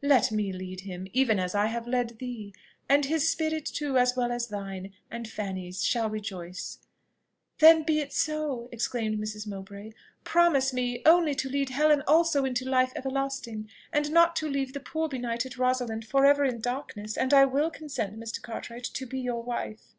Let me lead him, even as I have led thee, and his spirit too, as well as thine and Fanny's, shall rejoice!" "Then be it so!" exclaimed Mrs. Mowbray. "Promise me only to lead Helen also into life everlasting, and not to leave the poor benighted Rosalind for ever in darkness, and I will consent, Mr. Cartwright, to be your wife!"